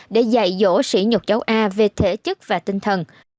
để dạy dỗ sỉ nhục châu a về thể chức và tinh thần